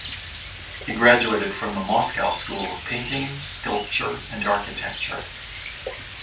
He graduated from the Moscow School of Painting, Sculpture and Architecture.